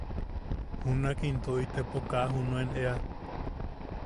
Junak into itepo kaa junuen eʼea.